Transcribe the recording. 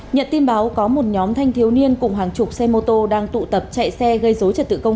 nhận tin báo có một nhóm thanh thiếu niên cùng hàng chục xe mô tô đang tụ tập chạy xe gây dối trật tự công